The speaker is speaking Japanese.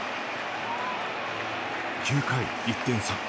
９回１点差。